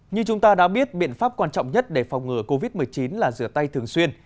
như chúng ta đã biết biện pháp quan trọng nhất để phòng ngừa covid một mươi chín là rửa tay thường xuyên